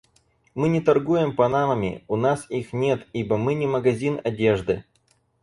Мы не торгуем панамами. У нас их нет, ибо мы не магазин одежды.